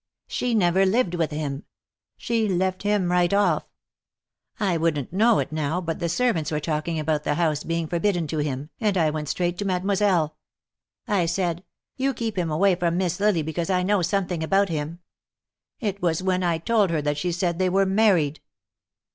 She never lived with him. She left him right off. I wouldn't know it now but the servants were talking about the house being forbidden to him, and I went straight to Mademoiselle. I said: 'You keep him away from Miss Lily, because I know something about him.' It was when I told her that she said they were married."